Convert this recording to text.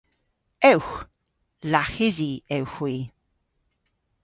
Ewgh. Laghysi ewgh hwi.